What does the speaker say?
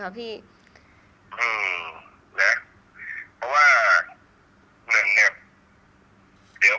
คุณพ่อได้จดหมายมาที่บ้าน